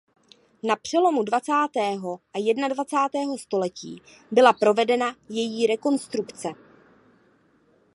Na přelomu dvacátého a jednadvacátého století byla provedena její rekonstrukce.